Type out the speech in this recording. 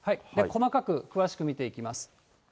細かく、詳しく見ていきます。